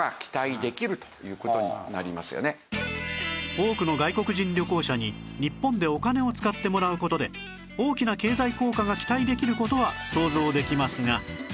多くの外国人旅行者に日本でお金を使ってもらう事で大きな経済効果が期待できる事は想像できますが